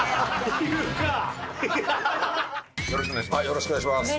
よろしくお願いします。